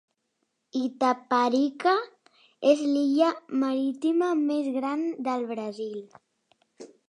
Itaparica és l'illa marítima més gran del Brasil.